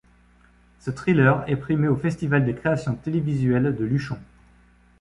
Ce thriller est primé au Festival des créations télévisuelles de Luchon.